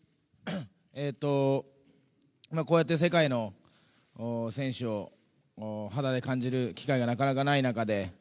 こうやって世界の選手を肌で感じる機会がなかなか、ない中で。